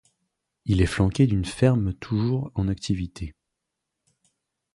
Il est flanqué d’une ferme toujours en activité.